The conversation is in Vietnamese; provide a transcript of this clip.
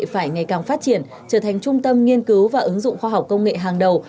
phải ngày càng phát triển trở thành trung tâm nghiên cứu và ứng dụng khoa học công nghệ hàng đầu